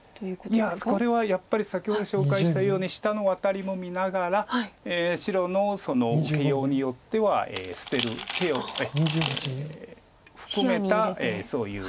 いやこれはやっぱり先ほど紹介したように下のワタリも見ながら白の受けようによっては捨てる手を含めたそういう。